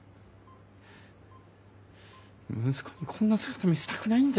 息子にこんな姿見せたくないんだ。